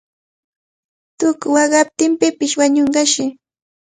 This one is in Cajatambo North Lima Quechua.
Tuku waqaptinqa pipish wañunqashi.